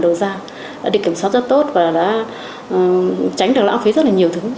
đồng ký đầu vào như là đầu ra đã được kiểm soát rất tốt và đã tránh được lãng phí rất nhiều thứ